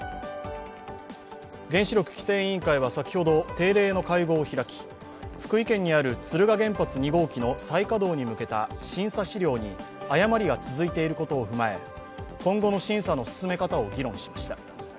原子力規制委員会は先ほど定例の会合を開き福井県にある敦賀原発２号機の再稼働に向けた審査資料に誤りが続いていることを踏まえ、今後の審査の進め方を議論しました。